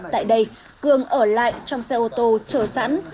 tại đây cường ở lại trong xe ô tô chờ sẵn